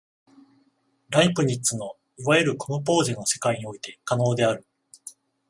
ライプニッツのいわゆるコムポーゼの世界において可能である。